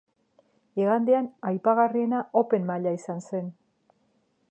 Igandean aipagarriena open maila izan zen.